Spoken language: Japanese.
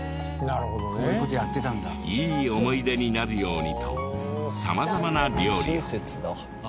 いい思い出になるようにと様々な料理を。